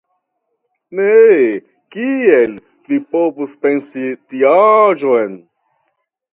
Ne, kiel vi povus pensi tiaĵon!